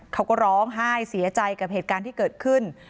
เขาก็ร้องไห้เสียใจกับเหตุการณ์ที่เกิดขึ้น